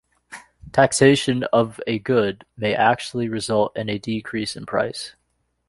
Taxation of a good may actually result in a decrease in price.